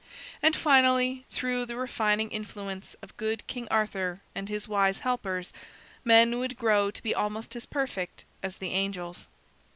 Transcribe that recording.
And finally, through the refining influence of Good King Arthur and his wise helpers, men would grow to be almost as perfect as the angels.